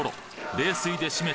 冷水で締め